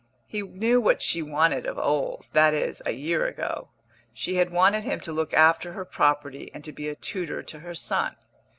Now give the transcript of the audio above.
He knew what she wanted of old that is, a year ago; she had wanted him to look after her property and to be tutor to her son.